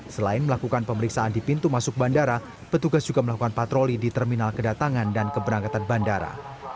selain melakukan pemeriksaan di pintu masuk bandara petugas juga melakukan patroli di terminal kedatangan dan keberangkatan bandara